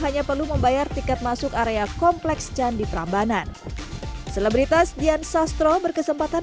hanya perlu membayar tiket masuk area kompleks candi prambanan selebritas dian sastro berkesempatan